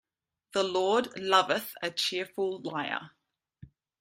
The Lord loveth a cheerful liar.